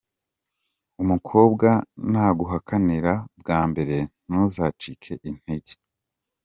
Umukobwa naguhakanira bwa mbere ntuzacike intege.